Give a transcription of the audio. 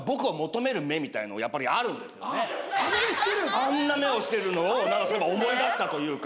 あんな目をしてるのを何かそういえば思い出したというか。